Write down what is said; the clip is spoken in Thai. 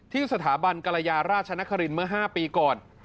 ที่สถาบันกรยาราชนครินเมื่อ๕ปีก่อน